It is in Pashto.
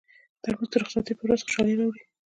ترموز د رخصتۍ پر ورځ خوشالي راوړي.